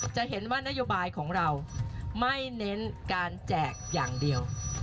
จะเห็นว่านโยบายของเราไม่เน้นการแจกอย่างเดียว